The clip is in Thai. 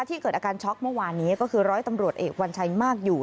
เกิดอาการช็อกเมื่อวานนี้ก็คือร้อยตำรวจเอกวัญชัยมากอยู่